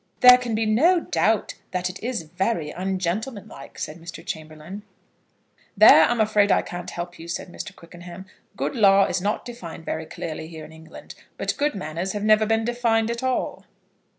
"There can be no doubt that it is very ungentlemanlike," said Mr. Chamberlaine. "There I'm afraid I can't help you," said Mr. Quickenham. "Good law is not defined very clearly here in England; but good manners have never been defined at all."